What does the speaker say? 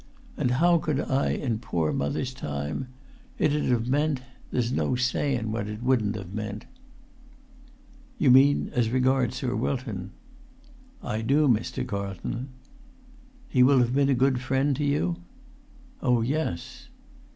And how could I in poor mother's time? It'd have meant—there's no sayun what that wouldn't have meant." "You mean as regards Sir Wilton?" "I do, Mr. Carlton." "He will have been a good friend to you?" "Oh, yes."